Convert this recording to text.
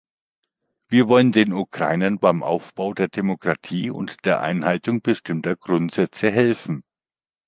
Wir wollen den Ukrainern beim Aufbau der Demokratie und der Einhaltung bestimmter Grundsätze helfen.